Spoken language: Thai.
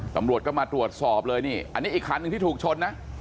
ตำรวจก็มาตรวจสอบเลยนี่อันนี้อีกคันหนึ่งที่ถูกชนนะ